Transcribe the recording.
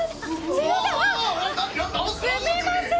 すいません。